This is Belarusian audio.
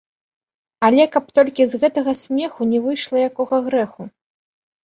Але каб толькі з гэтага смеху не выйшла якога грэху?